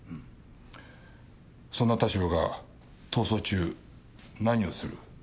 そんな田代が逃走中何をする？